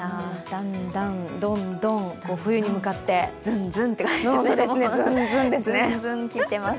だんだん、どんどん冬に向かってズンズンって感じですね。